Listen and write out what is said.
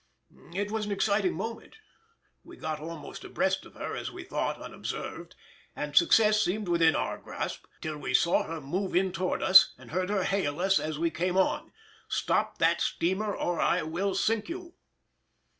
It was an exciting moment; we got almost abreast of her, as we thought, unobserved, and success seemed within our grasp, till we saw her move in towards us and heard her hail us as we came on, "Stop that steamer or I will sink you"!